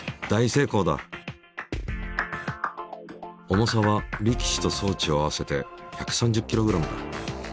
重さは力士と装置を合わせて１３０ｋｇだ。